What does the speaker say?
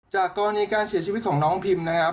กรณีการเสียชีวิตของน้องพิมนะครับ